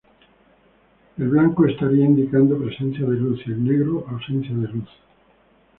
El blanco estaría indicando presencia de luz y el negro ausencia de luz.